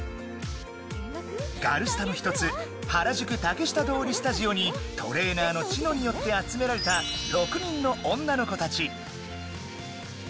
ガルスタの一つ原宿竹下通りスタジオにトレーナーのチノによって集められた６人の女の子たち。